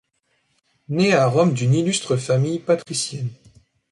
Née à Rome d'une illustre famille patricienne.